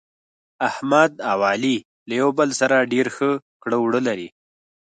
احمد او علي یو له بل سره ډېر ښه کړه وړه لري.